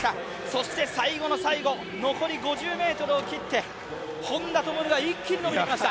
そして最後の最後、残り５０ｍを切って本多灯が一気に伸びてきました。